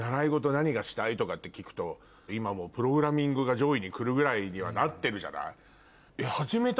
何がしたい？とかって聞くと今プログラミングが上位に来るぐらいにはなってるじゃない。